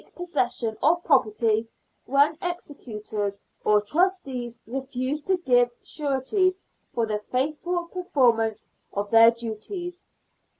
possession of property when executors or trustees refused to give sureties for the faithful performance of their duties.